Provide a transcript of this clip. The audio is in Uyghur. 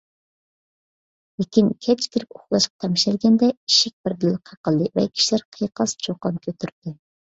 لېكىن، كەچ كىرىپ ئۇخلاشقا تەمشەلگەندە، ئىشىك بىردىنلا قېقىلدى ۋە كىشىلەر قىيقاس - چۇقان كۆتۈردى.